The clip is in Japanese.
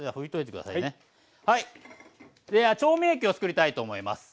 調味液をつくりたいと思います。